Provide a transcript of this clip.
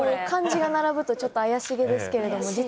漢字が並ぶとちょっと怪しげですけれども。